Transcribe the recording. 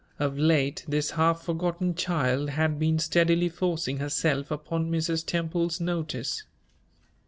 Of late this half forgotten child had been steadily forcing herself upon Mrs. Temple's notice.